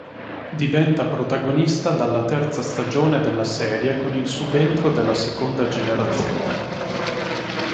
Diventa protagonista dalla terza stagione della serie con il subentro della seconda generazione.